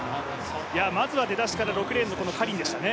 まずは出だしから６レーンのカリンでしたね。